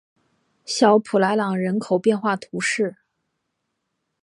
小普莱朗人口变化图示